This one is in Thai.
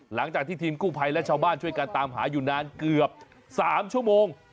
หลังจากที่ทีมกู้ภัยและชาวบ้านช่วยกันตามหาอยู่นานเกือบ๓ชั่วโมง